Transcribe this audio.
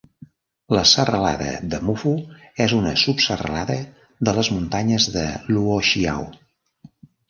La serralada de Mufu és una subserralada de les muntanyes de Luoxiao.